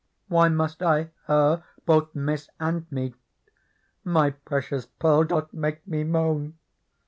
Why must I her both miss and meet ? My precious Pearl doth make me moan.